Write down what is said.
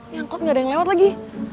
ya kok gak ada yang lewat lagi